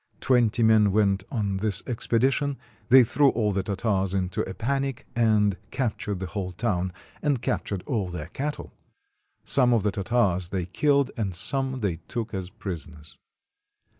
Twenty men went on this expedition; they threw all the Tartars into a panic, and captured the whole town, and captured all their cattle. Some of the Tartars they killed, and some they took as prisoners.